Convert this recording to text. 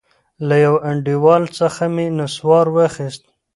له يوه انډيوال څخه مې نسوار واخيست.